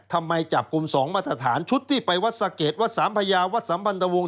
จับกลุ่ม๒มาตรฐานชุดที่ไปวัดสะเกดวัดสามพญาวัดสัมพันธวงศ